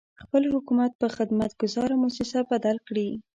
خپل حکومت په خدمت ګذاره مؤسسه بدل کړي.